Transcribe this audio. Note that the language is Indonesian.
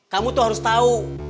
kamu harus tahu